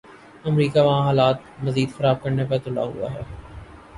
امریکہ وہاں حالات مزید خراب کرنے پہ تلا ہوا ہے۔